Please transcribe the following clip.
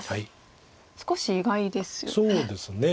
少し意外ですよね。